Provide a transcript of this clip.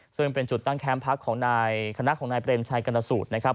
ซึ่งเป็นจุดตั้งแคมป์พักของนายคณะของนายเปรมชัยกรณสูตรนะครับ